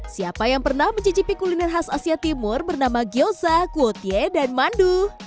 siapa yang pernah mencicipi kuliner khas asia timur bernama gyoza kuotie dan mandu